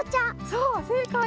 そうせいかい！